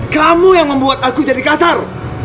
kamu yang membuat aku jadi kasar